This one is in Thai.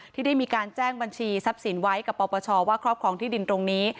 ที่ได้มีการแจ้งบัญชีทรัพย์สินไว้กับปปชว่าครอบครองที่ดินตรงนี้